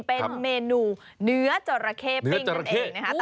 เป็นเมนูเนื้อจราเข้ปิ้งนั่นเองนะคะ